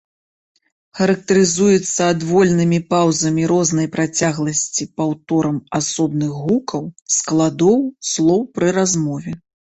Характарызуецца адвольнымі паўзамі рознай працягласці паўторам асобных гукаў, складоў, слоў пры размове.